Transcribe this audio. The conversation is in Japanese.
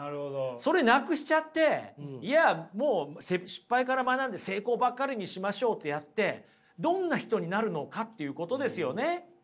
それなくしちゃっていやもう失敗から学んで成功ばっかりにしましょうってやってどんな人になるのかっていうことですよね。